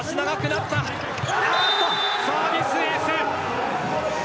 サービスエース。